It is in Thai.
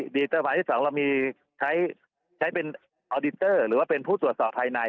ดีเตอร์ภาคที่สองเรามีใช้ใช้เป็นหรือว่าเป็นผู้ตรวจสอบภายใน